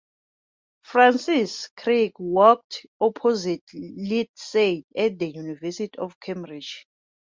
Francis Crick worked opposite Lindsey at the University of Cambridge.